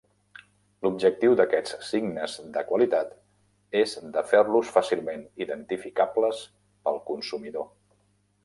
L'objectiu d'aquests signes de qualitat és de fer-los fàcilment identificables pel consumidor.